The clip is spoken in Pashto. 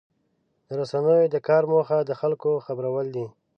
د رسنیو د کار موخه د خلکو خبرول دي.